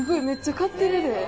めっちゃ買ってるで。